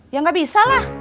ya gak bisa lah